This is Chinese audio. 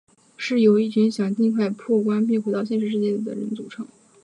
是由一群想尽快破关并回到现实世界的人组成。